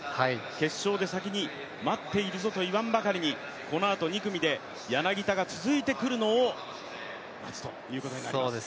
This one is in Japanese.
決勝で先に待っているぞと言わんばかりにこのあと２組で柳田が続いてくるのを待つということになります。